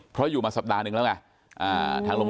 เพราะอยู่มาสัปดาห์นึงแล้วไง